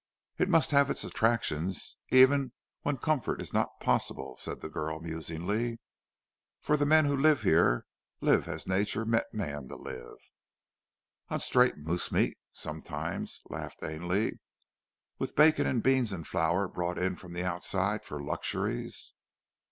"It must have its attractions even when comfort is not possible," said the girl musingly, "for the men who live here live as nature meant man to live." "On straight moose meat sometimes," laughed Ainley. "With bacon and beans and flour brought in from the outside for luxuries."